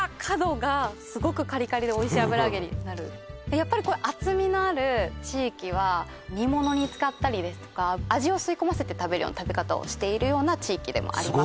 やっぱりこういう厚みのある地域は煮物に使ったりですとか味を吸い込ませて食べる食べ方をしている地域でもあります